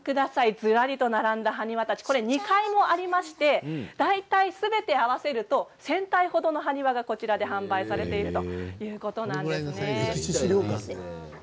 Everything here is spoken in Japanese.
ずらりと並んだ埴輪たち２階もありまして大抵すべて合わせると１０００体程の埴輪がこちらで販売されているということです。